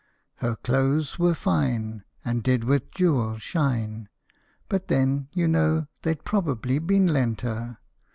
Her clothes were fine, And did with jewels shine, But then, you know, they'd probably been lent her."